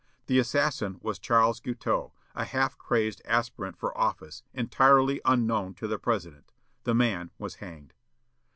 The assassin was Charles Guiteau, a half crazed aspirant for office, entirely unknown to the President. The man was hanged.